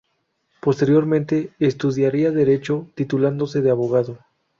Posteriormente estudiaría Derecho, titulándose de abogado.